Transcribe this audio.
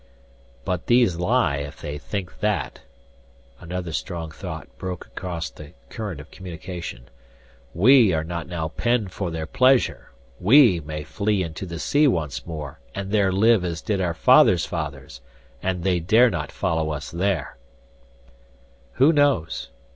"But these lie if they think that." Another strong thought broke across the current of communication. "We are not now penned for their pleasure. We may flee into the sea once more, and there live as did our fathers' fathers, and they dare not follow us there " "Who knows?"